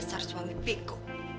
dasar suami bego